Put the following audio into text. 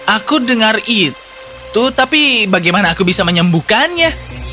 aku dengar itu tapi bagaimana aku bisa menyembuhkannya